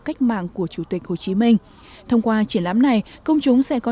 cách mạng của chủ tịch hồ chí minh thông qua triển lãm này công chúng sẽ có